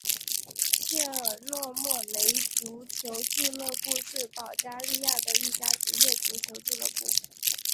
切尔诺莫雷足球俱乐部是保加利亚的一家职业足球俱乐部。